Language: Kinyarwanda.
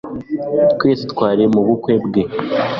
Twese twari mubukwe bwe.